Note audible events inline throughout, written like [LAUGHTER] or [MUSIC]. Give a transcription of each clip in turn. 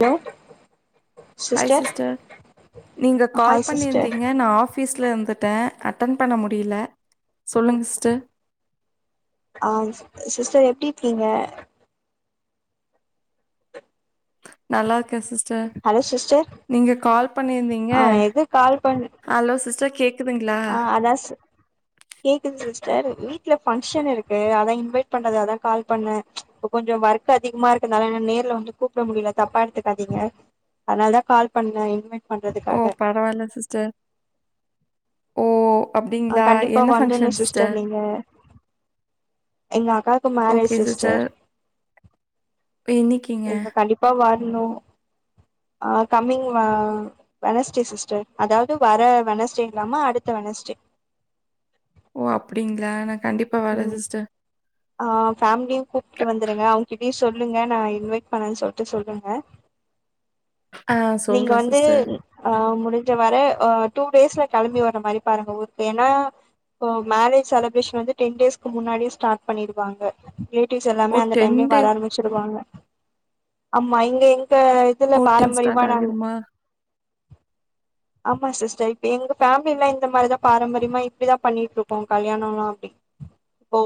Low hi sister நீங்க hi call sister பண்ணிர்ந்தீங்க நா ஆஃப் ஃபீஸ்ல இருந்துட்டே அட்டன் பண்ண முடியில சொல்லுங்க ஸ்டர் ஆம் சிஸ்டர் எப்டிர்க்கீங்க நல்லாருக்கே சிஸ்டர் ஹலோ சிஸ்டர் நீங்க கால்ப் பண்ணிருந்தீங்க ஆ நா எது ஹலோ சிஸ்டர் கேக் அ அதாசு கேக்குது சிஸ்டர் வீட்ல ஃபங்க்ஷன் இருக்கு அதா இன்வைட் பண்ணதாதாக் கால்ப் பண்ணே கொஞ்சோ வொர்க்கு அதிகமாருக்கனால நா நேர்ல வந்து கூப்ட முடில தப்பா எடுத்துகாதீங்க அத்னால்தாக் கால்ப் பண்ணே இன்வைட் ஓ பண்றதுக்காக பரவால்ல சிஸ்டர் ஓ அ அப்படிங்களா கண்டிப்பா என்ன வந்துர்னு ஃபங்க்ஷன் சிஸ்டர் நீங்க எங்க அக்காக்கு மேரேஜ் சிஸ்டர் என்னிக்கி எங்க கண்டிப்பா வர்ணு அ கம்மிங் வா வெனஸ்டே சிஸ்டர் அதாவ்து வர வெனஸ்டே இல்லாம அடுத்த வெனஸ்டே ஓ அப்டிங்ளா நா கண்டிப் ம் ஆ ஃபேம்லியு கூப்ட்டு வந்துருங்க அவுங் கிட்டியு சொல்லுங்க நா இன்வைட் பண்ணேன் சொல்ட்டு சொல்லுங்க ஆ நீங்க சொல்றேன் வந்து சிஸ்டர் ஆ முடிஞ்ச வர அ டூ டேஸ்ல கெளம்பி வர்ற மாரிப் பாருங்க ஊருக்கு எனா இப்போ மேரேஜ் செலப்ரேஷன் வந்து டென் டேஷ்க்கு முன்னாடியே ஸ்டார்ட் பண்ணிருவாங்க லேடிஸ் ஓ எல்லாமே அந்த டென் டைம்ல டே வர ஆரம்பிச்சிருவாங்க ஆமா இங்க எங்க இதுல ஓ டென் ஸ்டார்ட் பாரம்பரியமா நாங்க ஆகிருமா மா சிஸ்டர் இப்ப எங்க ஃபேமிலி எல்லா இந்த மாதிரிதா பாரம்பரியமா இப்டிதா பண்ணிட்டு இருக்கோ கல்யாண எல்லா அப்டினு ஓ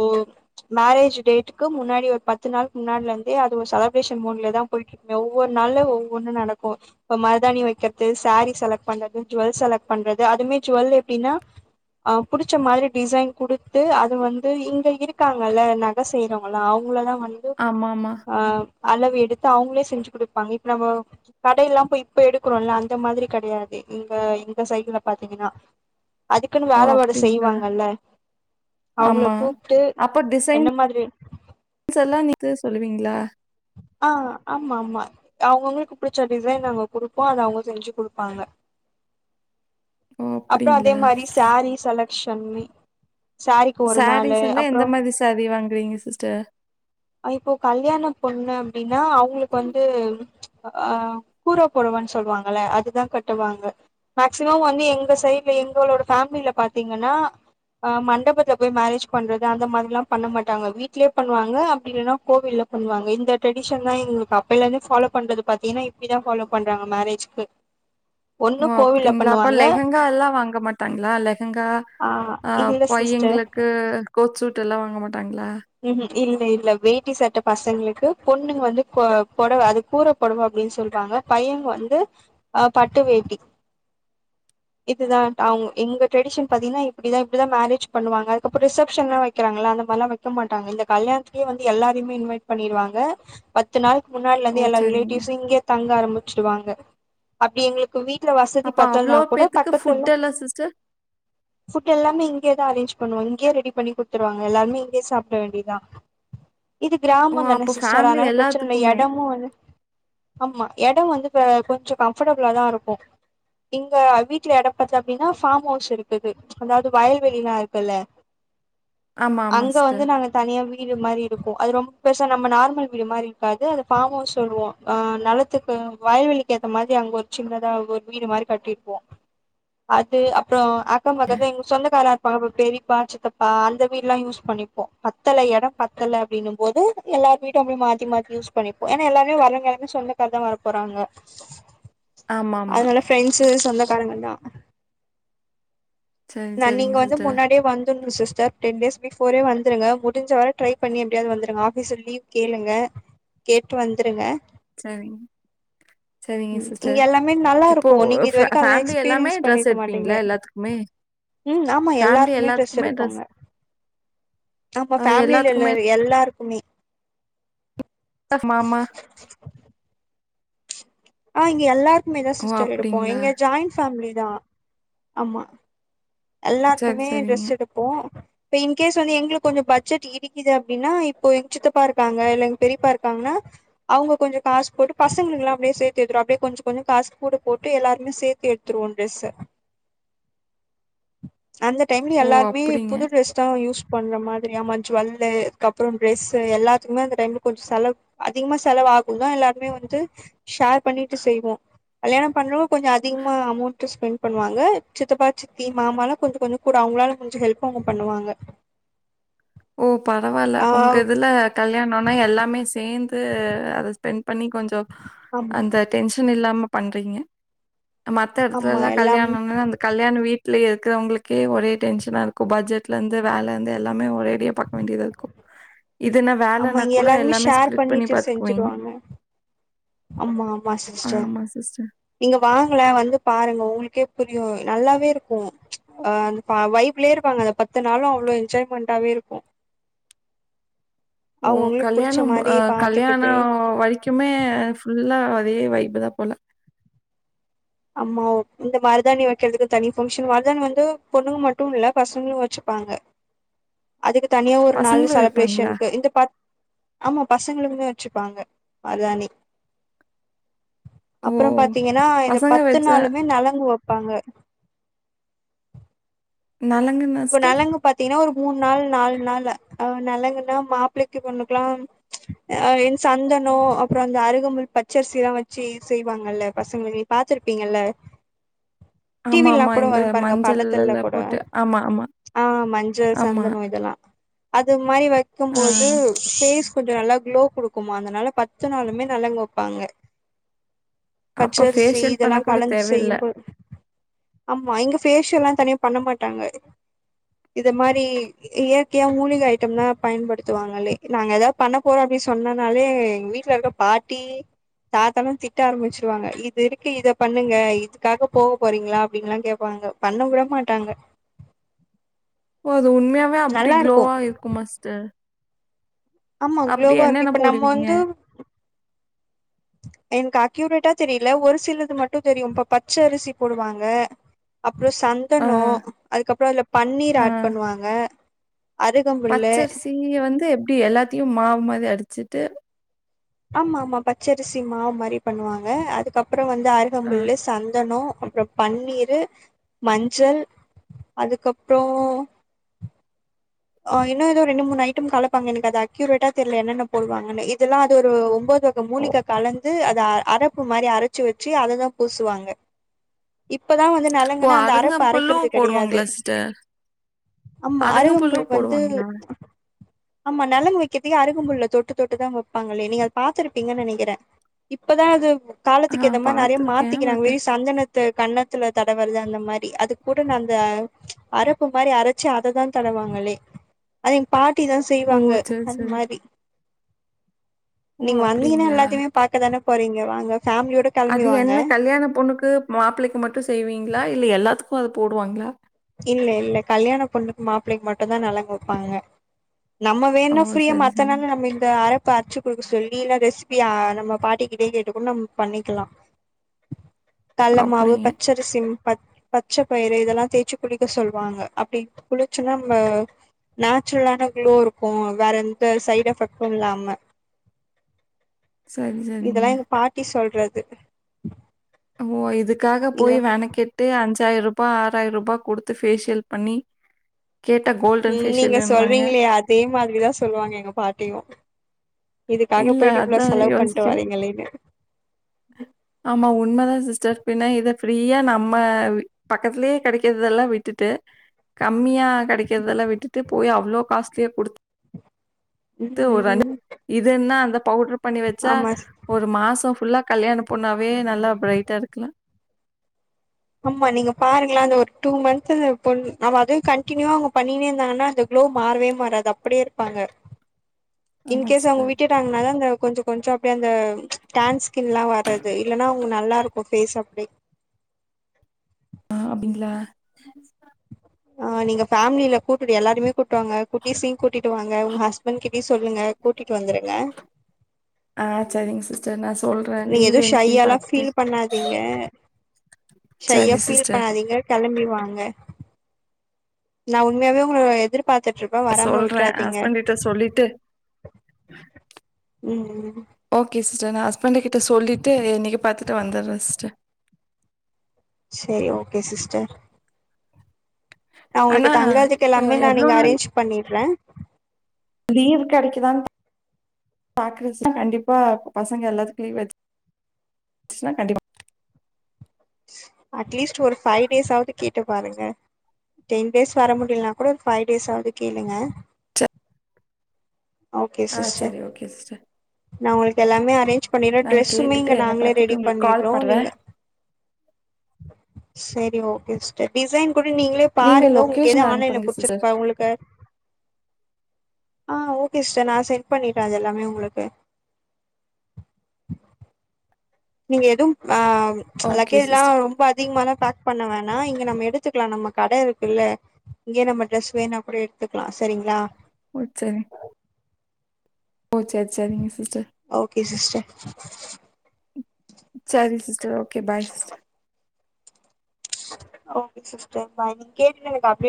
மேரேஜ் டேட்டுக்கு முன்னாடி ஒரு பத்து நாள் முன்னாடிலேயிருந்து அது ஒரு செலப்ரேஷன் மூடுல தா போயிட்ருக்கு ஒவ்வொரு நாள்ல ஒவ்வொன்னு நடக்கு இப்ப மருதானி வைக்கிறது சாரீஸ் செலக்ட் பண்றது ஜுவல்ஸ் செலக்ட் பண்றது அதுவே ஜுவல் அப்டின்னா அ புடிச்ச மாதிரி டிசைன் குடுத்து அது வந்து இங்க இருக்காங்கல்ல நா என்ன செய்றாங்களா அவங்கள தா வந்து ஆமா ஆமா ஆ அளவு எடுத்து அவங்களே செஞ்சு குடுப்பாங்க இப்ப நம்ம கடை எல்லா போய் இப்ப எடுக்கிறோம்ல அந்த மாதிரி கெடையாது இங்க இந்த சைட்ல பாத்தீங்கன்னா அதுக்குன்னு ஓ வேல மாடு அப்படிங்களா செய்வாங்கல்ல அவங்கள ஆமா கூப்ட்டு என்ன மாரி செல்லா நீக்கு சொல்லுவீங்களா ஆ ஆமா ஆமா அவங்கவுங்களுக்கு புடிச்ச டிசைன் நாங்க குடுப்போ அத அவங்க செஞ்சு குடுப்பாங்க ஓ அப்ப அது அப்டிங்களா? மாரி சேரீ செலக்க்ஷன் சேரீக்கு ஒரு நாளு அப்புற சரி வாங்குறீங்க சிஸ்டர் இப்போ கல்யாண பொண்ணு அப்டின்னா அவங்களுக்கு வந்து அ கூர பொடவன்னு சொல்லுவாங்கல்ல அதுதா கட்டுவாங்க மேக்சிம வந்து எங்க சைட்ல எங்களோட ஃபேமிலில பாத்தீங்கன்னா அ மண்டபத்துல போய் மேரேஜ் பண்றது அந்த மாதிரில்லா பண்ண மாட்டாங்க வீட்லயே பண்ணுவாங்க இல்லன்னா கோவில்ல பண்ணுவாங்க இந்த டிரெடிஸன் தா எங்களுக்கு அப்பலந்தே ஃபாலோவ் பண்றது பாத்தீங்கன்னா இப்டிதா ஃபாலோ பண்றாங்க மேரேஜ் க்கு ஓ அப்டிங்களா அப்ற லெகங்கா எல்லா வாங்க மாட்டாங்களா லெகங்கா ஆ அ இல்ல சிஸ்டர் பையங்களுக்கு கோட் சூட் எல்லா வாங்க மாட்டாங்களா ம் ம் இல்ல இல்ல வேட்டி சட்ட பசங்களுக்கு பொண்ணுங்க வந்து பொ பொடவ அது கூறப் பொடவ அப்டின்னு சொல்வாங்க பையன்க வந்து அ பட்டு வேட்டி இதுதா அவங்க எங்க ட்ரெடிஷன் பாத்தீங்கன்னா இப்டிதா இப்பதா மேரேஜ் பண்ணுவாங்க அதுக்கப்பற ரிசெப்ஷன்ல்லா வக்கிறாங்களா அந்த மாரில்லா வை க்க மாட்டாங்க இந்த கல்யாணத்துக்கே வந்து எல்லாருமே இன்வைட் பண்ணிருவாங்க பத் பத்து நாளைளுக்கு முன்னாடில ஓ இருந்து எல்லா சரிங்க. ரிலேட்டிவ்ஸு இங்கயே தங்க ஆரம்பிச்சிருவாங்க அப்டி எங்களுக்கு வீட்ல வசதி அப்ப பத்தலன்னா அவ்ளோ கூட பேத்துக்கு ஃபுட் பக்கத்துல எல்லா சிஸ்டர்? புட் எல்லாமே இங்கே தா அரேஞ் பண்ணுவோ இங்கே ரெடி பண்ணி குடுத்துருவோ எல்லாமே சாப்பட வேண்டியதுதா இது ஓ கிராமந்தா அப்ப சிஸ்டர் ஃபேமிலி அதனால பிரச்சன இல்ல எல்லாத்துக்குமே. எடமு வந்து ஆமா எட வந்து கொஞ்ச இப்ப கம்ஃபர்டபிளா தா இருக்கு இங்க வீட்ல எடப்பது எப்டின்னா ஃபார்ம் ஹவுஸ் இருக்குது அதாவது வயல்வெளிலா இருக்குல்ல ஆமா ஆமா அங்க வந்து சிஸ்டர். நாங்க தனியா வீடு மாரி இருக்கு அது ரொம்ப பெருசா நம்ம நார்மல் வீடு மாரி இருக்காது அது ஃபார்ம் ஹவுஸ் சொல்லுவோ ஆ நெலத்துக்கு வயவெளிக்கு ஏத்த மாரி அங்க ஒரு சின்னதா ஒரு வீடு மாரி கட்டிருப்போ அது அப்பற அக்கம்பக்கத்து எங்க சொந்த காரவங்கலா இருப்பாங்க அது பெரியப்பா சித்தப்பா அந்த வீடெல்லா யூஸ் பண்ணிப்போ பத்தல எட பத்தல அப்டின்னும்போது எல்லாரு வீடு அப்டி மாத்தி மாத்தி யூஸ் பண்ணிப்போ ஏன்னா எல்லாருமே வரவங்களா சொந்தகாரதா வர போறாங்க ஆமாமா. அதனால பிரெண்ட்ஸ்ஷு சொந்தக்காரங்கதா சரி ஆனா சரிங்க நீங்க வந்து சிஸ்டர். முன்னாடியே வந்துருன்னு சிஸ்டர் டென் டேஸ் பிரிஃபோரே வந்துருங்க முடிஞ்ச வரை ட்ரை பண்ணி எப்டியாது வந்துருங்க ஆஃபீஸ்ல லீவ் கேளுங்க கேட்டு வந்துருங்க சரிங்க சரிங்க இங்க சிஸ்டர் எல்லாமே நல்லா இப்போ இருக்கு நீங்க இது வரைக்கு அதெல்லா ஃபேமிலி எல்லாமே எக்ஸ்பீரியன்ஸ் ட்ரெஸ் பண்ணிருக்க மாட்டீங்க எடுப்பீங்களா எல்லாத்துக்குமே ம் ஆமா ஃபேமிலி எல்லாருக்குமே எல்லாத்துக்குமே எடுப்போங்க ட்ரெஸ் ஆமா அ ஃபேமிலில உள்ள எல்லாத்துக்குமே எல்லாருக்குமே அத்த மாமா ஆ இங்க எல்லாருக்குமே தா ஓ! சிஸ்டர் எடுப்போ அப்டிங்களா? இங்க ஜாயண்ட் ஃபேமிலி தா ஆமா சரி, எல்லாருக்குமே சரிங்க. ட்ிரெஸ் எடுப்போ இப்ப இன்கேஸ் வந்து எங்களுக்கு கொஞ்ச பட்ஜெட் இடிக்குது அப்டின்னா இப்போ எங்க சித்தப்பா இருக்காங்க இல்ல எங்க பெரியப்பா இருக்காங்கன்னா அவங்க கொஞ்ச காசு போட்டு பசங்களுக்கு எல்லா அப்டியே சேர்த்து வைக்குறோ அப்டியே கொஞ்ச கொஞ்ச காசு கூட போட்டு எல்லாருமே சேர்த்து எடு துருவோ ட்ரெஸ்ஸ அந்த டைம்ல ஓ! எல்லாருமே அப்டிங்க. புது டிரெஸ் யூஸ் பண்ற மாதிரிி ஆமா ஜுவல்லு அதுக்கப்பற ட்ரெஸ் எல்லத்துக்குமே அந்த டைம்ல கொஞ்ச செலவு அதிகமா செலவாகு தா எல்லாருமே வந்து ஷேர் பண்ணிட்டு செய்வோ கல்யாண பண்றவங்க கொஞ்ச அதிகமா அமௌண்ட் ஸ்பெண்ட் பண்ணுவாங்க சித்தப்பா சித்தி மாமல்லா கொஞ்ச கொஞ்ச கூட அவங்களால முடிஞ்ச ஹெல்ப் அவங்க பண்ணுவாங்க ஓ பரவாயில்ல ஆ உங்க இதுல கல்யாணம்னா எல்லாமே சேர்ந்து அத ஸ்பெண்ட் பண்ணி கொஞ்ச ஆம் அந்த டென்ஷன் இல்லாம பண்றீங்க மத்த இடத்துல ஆமா எல்லா எல்லாம் கல்யாண கல்யாணம் வீடல இருக்கிறவங்களுக்கே ஒரே டென்ஷனா இருக்கும் பட்ஜெட்ல இருந்து வேல இருந்து எல்லாமே ஒரே நெறைய பார்க்க வேண்டியதா இருக்கும் இதுன்னா ஆமா வேலைனா இங்க கூட எல்லாருமே எல்லாமே ஷேர் ஸ்பிளிட் பண்ணி பண்ணிட்டு பார்த்துக்குவீங்க செஞ்சுருவாங்க ஆமா ஆமா சிஸ்டர் ஆமா சிஸ்டர். நீங்க வாங்கல வந்து பாருங்க உங்களுக்கே புரியும் நல்லாவே இருக்கும் ஆ அ வைப்லயே இருப்பாங்க அந்த பத்து நாளும் அவ்ளோ என்ஜாய்மெண்டாவே இருக்கும் ஓ அவங்கவுங்களுக்கு புடிச்ச கல்யாணம் மாரி கல்யாண பாத்துக்கிட்டு வ வரைக்குமே ஃபுல்லா அதே வைப்புு தா போல ஆமா இந்த மருதாணி வைக்கிறதுக்கு தனி ஃபங்ஷன் மருதணி வந்து பொண்ணுங்க மட்டும் இல்ல பசங்களு வச்சுப்பாங்க அதுக்கு தனியா ஒரு நாலு பசங்களும் வைப்பாங்களா? செலப்ரேஷனுக்கு இந்த பத் ஆமா பசங்களுக்குமே வச்சிருப்பாங்க மருதானி ஓ! அப்பற பாத்தீங்கன்னா இந்த பசங்க பத்து வச்சா நாளுமே நலங்கு வைப்பாங்க நலங்கு இப்ப நிலங்கு பாத்தீங்கன்னா ஒரு மூணு நாள் நாலு நாள்ல நலங்குன்னா மாப்பிள்ளைக்கு பொண்ணுக்கலா அ சந்தனோ அப்பற அந்த அருகம்பல் பச்சரிசி எல்லாம் வச்சு செய்வாங்கல்ல பசங்க பாத்துருப்பீங்கள்ள ஆமா இந்த பாருங்க மஞ்சள் எல்லா போட்டு ஆமா ஆமா ஆஹ் மஞ்சள் ஆமா. சந்தனம் இதெல்லா அது மாதிரி வைக்கும் ஆ போது பேஸ் கொஞ்ச நல்லா க்ளோ குடுக்குமா அதனால பத்து நாளுமே நல்லங்க வைப்பாங்க அப்ப பச்சரிசி ஃபேஷியல் பண்ண இதெல்லா கூட கலஞ்ச தேவையில்ல. செய்யும்போ ஆமா இங்க ஃபேசியல் எல்லா தனியா பண்ண மாட்டாங்க இத மாரி இயற்கையா மூலிக ஐட்டம் தா பயன்படுத்துவாங்கலே நாங்க ஏதாவது பண்ண போறோ அப்டின்னு சொன்னனாலே எங்க வீட்டுல இருக் பாட்டி தாத்தனு திட்ட ஆரம்பிச்சிருவாங்க இது இருக்கு இத பண்ணுங்க இதுக்காக போக போறீங்ளா அப்டின்லா கேப்பாங்க பண்ண வுட மாட்டாங்க ஓ அது உண்மயாவே அப்டி நல்லா இருக்கு க்ளோவா இருக்குமா சிஸ்டர் ஆமா அப்படி குளோவா இருக்கு என்னென்ன இப்ப நம்ம போடுவீங்க? வந்து என்கு அக்யூரேட்டா தெரியில ஒரு சிலது மட்டு தெரியு இப்ப பச்சரிசி போடுவாங்க அப்றோ சந் ஆ, தனோ அதுக்கப்புறோ அதுல பன்னீர் ஆ. ஆட் பண்ணுவாங்க அருகம்புல்லு நீங்க வந்து எப்டி எல்லாத்தியு மாவு மாதிரி அரச்சிட்டு ஆமாமா பச்சரிசி மாவு மாரி பண்ணுவாங்க அதுக்கப்புற வந்து அரு ஆ கம்பபுல்லு சந்தனோ அப்புற பன்னீரு மஞ்சள் அதுக்கப்றோ ஆ இன்னு எதோ ரெண்டு மூணு ஐட்டம் கலப்பாங்க எனக்கு அது அக்யூரட்டா தெரில என்னன்ன போடுவாங்கன்னு இதுலா அது ஒரு ஒம்போ து வக ஓ மூலிக கலந்து அத அரப்பு மாரி அரைச்சு வச்சி அததா பூசுவாங்க இப்பதா வந்து ஓ! நலங்கனா அந்த அரப்பு அரைக்கற்து அருங்கம்புல்லும் கெடையாது போடுவாங்களா சிஸ்டர்? ஆமா அருகம்புல் அருங்கம்புல்லும் வந்து போடுவாங்களா? ஆமா நலங்கு வெக்கத்துக்கே அருகபுள்ள தொட்டு தொட்டுதா வெப்பாங்களே நீங்க அத பாத்துருப்பீங்கன் நெனைக்கிறே இப்பதா அது ஆ காலத்துக்கு ஏத்த மாரி நெறைய பார்த்துருக்கேன். மாத்திக்கிறாங்க பட் வெறு சந்தனத் த கன்னத்துல தடவர்து அந்த மாரி அது கூட அந்த அரப்பு மாரி அரச் சு அததா தடவ்வாங்களே அத எங் பாட்டி தா ஓ! செய்வாங்க சரி, அந் சரி. மாரி ஓ! நீங்க வந்தீங்னா அப்படிங்களா? எல்லாத்தியுமே பாக்கதான போறீங்க வாங்க ஃபேமிலியோட கெளம்பி அது வாங்க என்ன கல்யாண பொண்ணுக்கு மாப்பிளைக்கு மட்டு செய்வீங்ளா இல்ல எல்லாத்துக்கு அத போடுவாங்ளா இல்ல இல்ல கல்யாண பொண்ணுக்கு மாப்பிள்ளைக் மட்டு தா நலங்கு வெப்பாங்க நம்ம ஓ! வேணுனா ஃப்ரீயா சரி, மத்த சரி. நாள்ல நம்ம இந்த அரப் இப்ப அரச்சு குடுக்க சொல்லி இல்ல ரெசிபி நம்ம பாட்டிக்கிட்டே கேட்டுகூட நம்ம பண்ணிக்கிலா கல்ல மாவு அப்படிங்க. பச்சரிசி பச் பச்ச பயிறு இதெல்லா தேச்சி குளிக்க சொல்வாங்க அப்டி குளிச்சு நம்ப நேச்சுரலான குளோ இருக்கு வேற எந்த சைட் எஃபெக்ட்டு இல்லாம சரி, இதெலா சரிங்க. எங்க பாட்டி சொல்றது ஓ இதுக்காக நீங்க போய் வெனக்கெட்டு அஞ்சாய்ரூபா ஆறாயிரரூபா குடுத்து ஃபேஷியல் பண்ணி கேட்டா கோல்டன் ம் நீங்க ஃபேஷியல் ன்வாங்க சொல்றீங்களே அதே மாதிரிதா சொல்லுவாங்க எங்க பாட்டியு இதுக்காக இல்ல போயிட்டு இவ்ளோ அதான் செலவு பண்ட்டு யோசிக்கிறேன். வரிங்களேனு ஆமா உண்மதா சிஸ்டர் பின்ன இத ஃப்ரீயா நம்ம வீட் பக்கத்லே கெடைக்கிறதெல்லா விட்டுட்டு கம்மியா கெடைக்கற்தெல்லா விட்டுட்டு போய் அவ்ளோ காஸ்ட்லியா குடு த்து ஒரு ம் இதுன்னா அந்த பவுடர் பண்ணி வெச்சா ஆமா ஒரு ஒரு மாசம் ஃபுல்லா கல்யாண பொண்ணாவே நல்லா பிரைட்டா இருக்லா ஆமா நீங்க பாருங்ளே அந்த ஒரு டூ மந்த்து பொண் அவ அதுவே கண்டினியூவா அவுங்க பண்ணிங்னே இருந்தாங்கனா அது குளோ மாறவே மாறாது அப்டே இருப்பாங்க ஆமா இன்கேஸ் அவுங்க சிஸ்டர் விட்டுட்டாங்னா தா அந்த கொஞ்ச கொஞ்ச அப்டே அந்த டேன் ஸ்கின்லா வர்றது இல்லனா அவுங்க நல்லா இருக்கு ஃபேஸ் அப்டே அப்டிங்ளா ஆ நீங்க ஃபேம்லில கூப்டுட்டு எல்லாரய்மே கூட்டு வாங்க குட்டூசியி கூட்டிட்டு வாங்க உங்க ஹஸ்பண்ட் கிட்டயு சொல்லுங்க கூட்டிட்டு வந்துருங்க ஆ சரிங்க சிஸ்டர் நா சொல்றே நீங்க லீவ் எது என்னைக்குன்னு ஷையாலா பாத்துட்டு ஃபீல் பண்ணாதீங்க ஷையா சரி ஃபீல் சிஸ்டர் பண்ணாதீங்க கெளம்பி வாாங்க நா உண்மையாவே உங்கள எதிர்பாத்துட்டு இருப்பே வராம சொல்றே விட்றாதீங்க ஹஸ்பண்ட் கிட்ட சொல்லிட்டு ம் ம் ஓகே சிஸ்டர் நா ஹஸ்பண்டு கிட்ட சொல்லிட்டு இன்னக்கி பாத்துட்டு வந்துர்றே சிஸ்டர் சேரி ஓகே சிஸ்டர் நா ஒங்களுக்கு ஆனா தங்கரதுக்கு எல்லாமே நான் எவ்ளோ இங்க நாள் அரேஞ்ச் பண்ணிட்றே லீவ் கெடைக்குதான் பாக்குறே சிஸ்டர் கண்டிப்பா பசங்க எல்லாத்து லீவு [INAUDIBLE] கண்டிப்பா அட்லீஸ்ட் ஒரு ஃபைவ் டேஸ் ஆவது கேட்டு பாருங்க டென் டேஸ் வர முடியலனா கூட ஒரு ஃபைவ் டேஸ் ஆவது கேளுங்க ஓகே ஆ சிஸ்டர் சரி ஓகே சிஸ்டர் நா ஒங்களுக்கு எல்லாமே அரேஞ்ச் பண்ணிறே நான் ட்ரெஸ்ஸுமே கேட்டுட்டு இங்க என்ன நாங்களே ரெடி பாத்துட்டு உங்களுக்கு கால் பண்ணிட்றோ பண்றே நீங்க செரி ஓகே சிஸ்டர் டிசைன் கூட நீங்களே நீங்க பாருங்க உங்களுக்கு ஏது லொகேஷன் ஆன்லைன்ல அனுப்புங்க சிஸ்டர் புட்ச்சிருக்கு உங்களுக்கு ஆ ஓகே ஸ்டர் நா செட் பண்ணிட்றே அது எல்லாமே ஒங்களுக்கு நீங்க எதுவும் ஆ ஓகே லக்கேஜ்லா சிஸ்டர் ரொம்ப அதிகமான பாக் பண்ண வேணா இங்க நம்ம எடுத்துக்கலா நம்ம கட இருக்குல்ல இங்கே நம்ம ட்ரெஸ் வேணா கூட எடுத்துக்கலா செரிங்ளா ஓ செரி ஓ சேரி செரிங்க சிஸ்டர் ஓகே சிஸ்டர் சேரி sister okay bye sister okay sister bye நீங் கேட்டுட்டு எனக்கு அப்டேட்